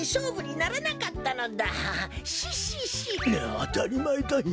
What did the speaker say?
あたりまえだよ。